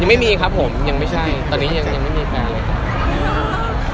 ไม่มีครับผมยังไม่ใช่ตอนนี้ยังไม่มีแฟนเลยครับ